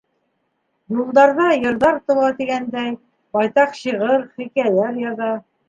Юлдарҙа йырҙар тыуа тигәндәй, байтаҡ шиғыр, хикәйәләр яҙа.